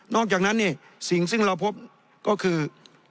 นอกจากนั้นสิ่งซึ่งเราพบก็คือ